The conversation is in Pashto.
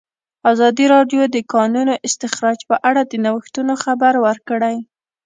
ازادي راډیو د د کانونو استخراج په اړه د نوښتونو خبر ورکړی.